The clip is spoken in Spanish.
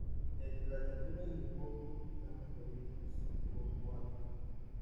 Entre la llanura y los Vosgos están las colinas sub-vosgueanas.